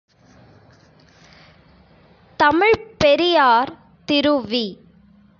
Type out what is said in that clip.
தமிழ்ப் பெரியார் திரு வி.